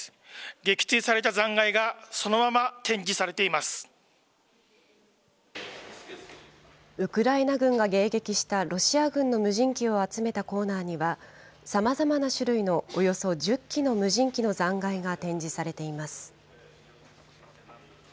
撃墜された残骸がそのまま展示さウクライナ軍が迎撃したロシア軍の無人機を集めたコーナーには、さまざまな種類のおよそ１０機の無人機の残骸が展示されています。